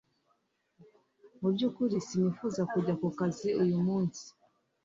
Mu byukuri sinifuzaga kujya ku kazi uyu munsi